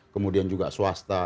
kemudian juga swasta